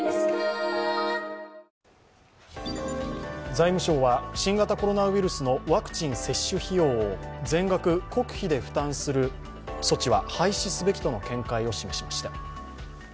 財務省は新型コロナウイルスのワクチン接種費用を全額国費で負担する措置は廃止すべきとの見解を示しました。